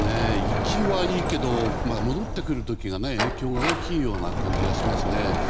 行きはいいけど戻ってくる時が影響が大きいような感じがしますね。